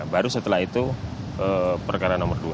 baru setelah itu perkara nomor dua